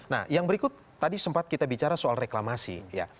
nah yang berikut tadi sempat kita bicara soal reklamasi ya